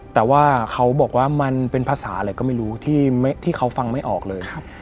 แต่ว่าเขาบอกว่ามันเป็นภาษาอะไรก็ไม่รู้ที่เขาฟังไม่ออกเลย